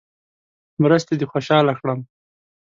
مرستې دې خوشاله کړم.